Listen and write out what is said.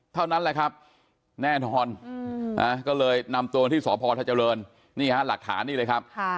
เท่านั้นแหละครับแน่นอนก็เลยนำตัวมาที่สพทเจริญนี่ฮะหลักฐานนี่เลยครับ